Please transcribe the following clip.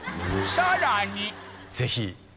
さらに！